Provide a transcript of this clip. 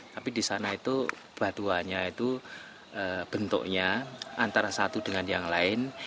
tapi di sana itu batuannya itu bentuknya antara satu dengan yang lain